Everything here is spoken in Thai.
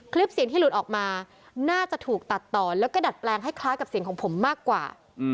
คลิปเสียงที่หลุดออกมาน่าจะถูกตัดต่อแล้วก็ดัดแปลงให้คล้ายกับเสียงของผมมากกว่า